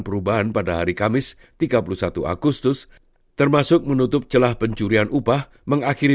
perubahan pada hari kamis tiga puluh satu agustus termasuk menutup celah pencurian upah mengakhiri